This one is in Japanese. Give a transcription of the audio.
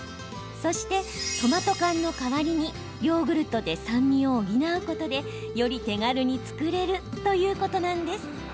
そして、トマト缶の代わりにヨーグルトで酸味を補うことでより手軽に作れるということなんです。